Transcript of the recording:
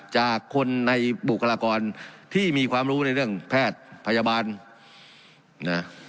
จากคนในบุคลากรที่มีความรู้ในเรื่องแพทย์พยาบาลนะ